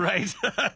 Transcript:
ハハハハ！